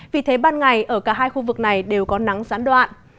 vì thế ban ngày ở cả hai khu vực này đều có nắng gián đoạn